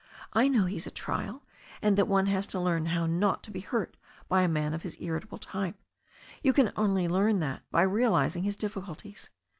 I know he is a trial, and that one has to learn how not to be hurt by a man of his irritable type. You can only learn that by realizing his difficulties.